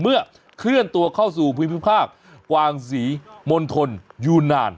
เมื่อเคลื่อนตัวเข้าสู่พิพธิภาคมะวางสีโมนฑลอยู่นาน